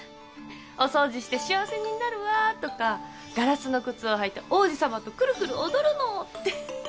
「お掃除して幸せになるわ」とか「ガラスの靴を履いて王子さまとくるくる踊るの」って。